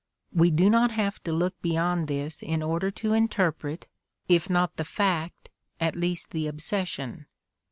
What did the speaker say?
We do not have to look beyond this in order to interpret, if not the fact, at least the obsession.